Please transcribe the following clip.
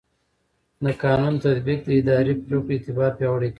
د قانون تطبیق د اداري پرېکړو اعتبار پیاوړی کوي.